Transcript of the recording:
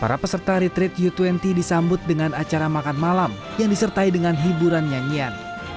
para peserta retreat u dua puluh disambut dengan acara makan malam yang disertai dengan hiburan nyanyian